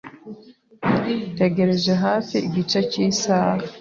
Ntegereje hafi igice cy'isaha.